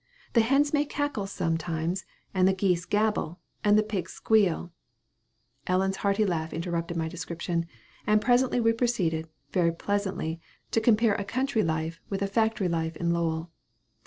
The hens may cackle sometimes, and the geese gabble, and the pigs squeal" Ellen's hearty laugh interrupted my description and presently we proceeded, very pleasantly, to compare a country life with a factory life in Lowell.